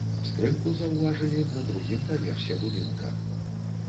Скрынку заўважылі на другім паверсе будынка.